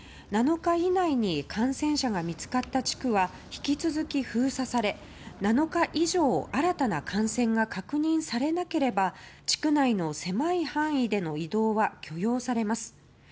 ７日以内に感染者が見つかった地区は引き続き封鎖され７日以上新たな感染が確認されなければ地区内の狭い範囲での移動は許容されます。